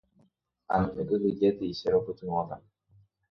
Ani rekyhyjéti, che roipytyvõta.